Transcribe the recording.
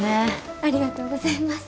ありがとうございます。